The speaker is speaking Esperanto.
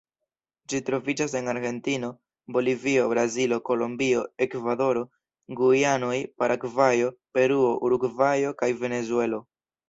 Ĝi troviĝas en Argentino, Bolivio, Brazilo, Kolombio, Ekvadoro, Gujanoj, Paragvajo, Peruo, Urugvajo kaj Venezuelo.